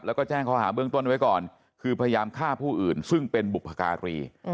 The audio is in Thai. แล้วก็แจ้งข้อหาเบื้องต้นไว้ก่อนคือพยายามฆ่าผู้อื่นซึ่งเป็นบุพการี